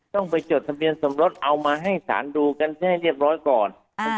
ต้องไปจดทะเบียนสมรสเอามาให้สารดูกันให้เรียบร้อยก่อน